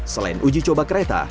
selain uji coba kereta